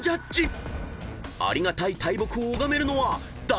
［ありがたい大木を拝めるのは誰だ⁉］